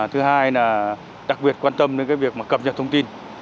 thứ hai là đặc biệt quan tâm đến cái việc mà cập nhật thông tin